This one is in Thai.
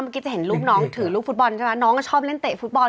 เมื่อกี้จะเห็นรูปน้องถือลูกฟุตบอลใช่ไหมน้องก็ชอบเล่นเตะฟุตบอล